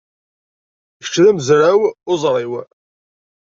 Kečč d amezraw uẓwir.